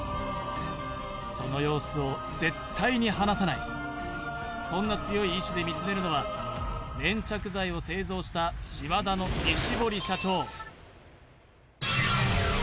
その様子を絶対に離さないそんな強い意志で見つめるのは粘着剤を製造したＳＨＩＭＡＤＡの西堀社長